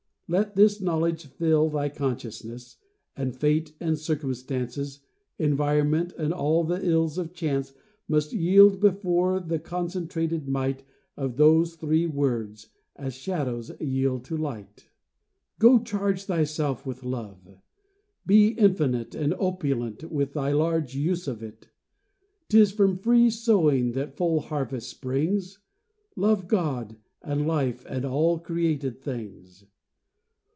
Let this knowledge fill Thy consciousness, and fate and circumstance, Environment, and all the ills of chance Must yield before the concentrated might Of those three words, as shadows yield to light. Go, charge thyself with love; be infinite And opulent with thy large use of it: 'Tis from free sowing that full harvest springs; Love God and life and all created things.